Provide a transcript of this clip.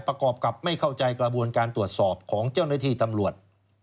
ประกอบกับไม่เข้าใจกระบวนการตรวจสอบของเจ้าหน้าที่ตำรวจ